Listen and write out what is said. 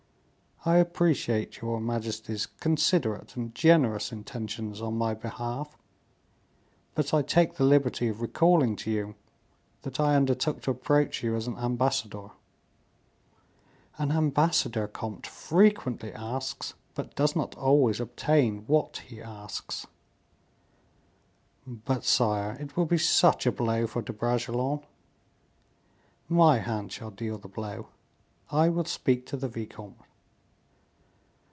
"I appreciate your majesty's considerate and generous intentions on my behalf; but I take the liberty of recalling to you that I undertook to approach you as an ambassador." "An ambassador, comte, frequently asks, but does not always obtain what he asks." "But, sire, it will be such a blow for De Bragelonne." "My hand shall deal the blow; I will speak to the vicomte."